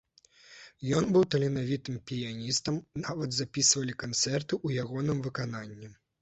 Ён быў таленавітым піяністам, нават запісвалі канцэрты ў ягоным выкананні.